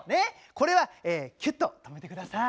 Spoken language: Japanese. これはキュッと止めて下さい。